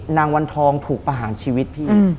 นางวันทองถูกประหารชีวิตพี่